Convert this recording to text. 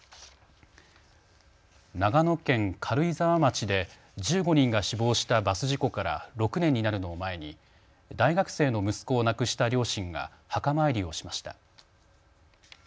長野県軽井沢町で１５人が死亡したバス事故から６年になるのを前に大学生の息子を亡くした両親が墓参りをしました。